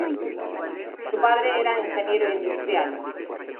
Su padre era ingeniero industrial.